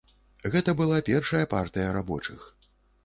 Гэта была першая партыя рабочых.